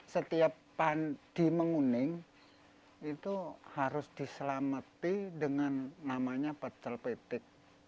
setiap pandi menguning itu harus diselamati dengan namanya pecel petik